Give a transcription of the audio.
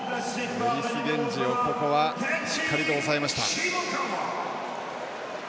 エリス・ゲンジをしっかりと抑えました。